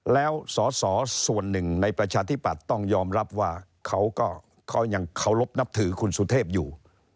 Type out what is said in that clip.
แล้วสอสอส่วนหนึ่งในประชาธิปัตย์ต้องยอมรับว่าเขาก็ยังเคารพนับถือคุณสุเทพอยู่